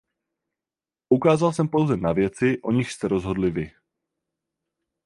Poukázal jsem pouze na věci, o nichž jste rozhodli vy.